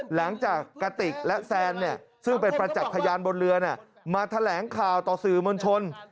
กระติกและแซนซึ่งเป็นประจักษ์พยานบนเรือมาแถลงข่าวต่อสื่อมวลชน